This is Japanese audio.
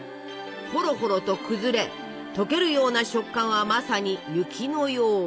ほろほろと崩れ溶けるような食感はまさに雪のよう。